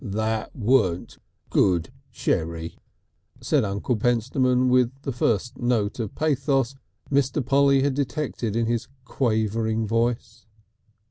"That weren't good sherry," said Uncle Pentstemon with the first note of pathos Mr. Polly had detected in his quavering voice.